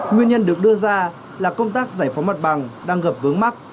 nguyên nhân được đưa ra là công tác giải phóng mặt bằng đang gặp vướng mắt